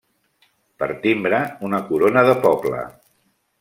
Per timbre, una corona de poble.